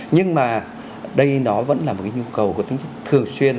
nhưng mà đây nó vẫn là một cái nhu cầu có tính chất thường xuyên